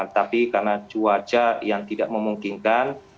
tapi karena cuaca yang tidak memungkinkan